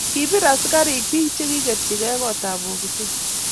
kibir askarik biik che kikikerjigei kootab bokitet